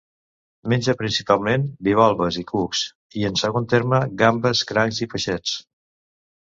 Menja principalment bivalves i cucs, i, en segon terme, gambes, crancs i peixets.